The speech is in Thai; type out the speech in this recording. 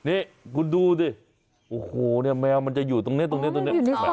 นี่คุณดูสิโอ้โหเนี้ยแมวมันจะอยู่ตรงเนี้ยตรงเนี้ยตรงเนี้ย